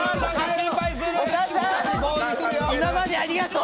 今までありがとう！